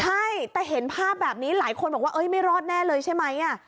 ใช่แต่เห็นภาพแบบนี้หลายคนบอกว่าไม่รอดแน่เลยใช่ไหม